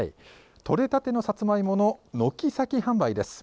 取れたてのさつまいもの軒先販売です。